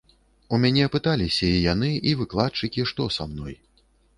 У мяне пыталіся і яны, і выкладчыкі, што са мной.